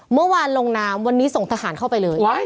เมื่อวานลงน้ำวันนี้ส่งทหารเข้าไปเลย